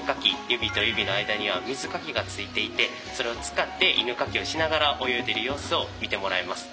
指と指の間には水かきがついていてそれを使って犬かきをしながら泳いでいる様子を見てもらえます。